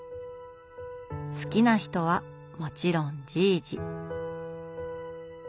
好きな人はもちろん「じいじ」。